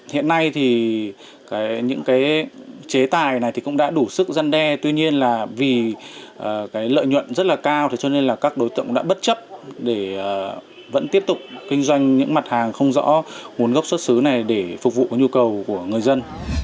hiện nay thì những cái chế tài này thì cũng đã đủ sức gian đe tuy nhiên là vì cái lợi nhuận rất là cao cho nên là các đối tượng đã bất chấp để vẫn tiếp tục kinh doanh những mặt hàng không rõ nguồn gốc xuất xứ này để phục vụ nhu cầu của người dân